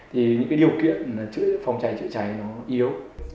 thì những cái điều kiện phòng cháy chữa cháy nó yếu